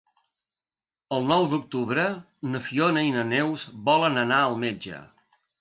El nou d'octubre na Fiona i na Neus volen anar al metge.